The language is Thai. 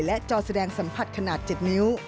และจอแสดงสัมผัสขนาด๗นิ้ว